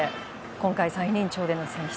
今回最年長での選出